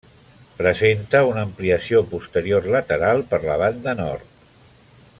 Presenta una ampliació posterior lateral per la banda nord.